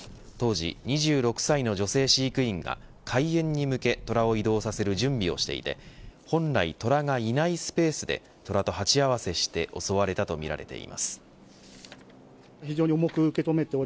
当時２６歳の女性飼育員が開園に向けトラを移動させる準備をしていて本来トラがいないスペースでトラと鉢合わせして襲われたとみられています。